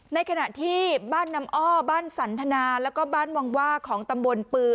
ในขณะที่บ้านน้ำอ้อบ้านสันทนาแล้วก็บ้านวังว่าของตำบลปือ